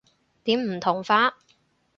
點唔同法？